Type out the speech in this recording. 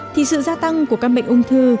thì sự gia tăng của các bệnh ung thư